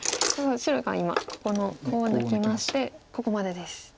白が今ここのコウを抜きましてここまでです。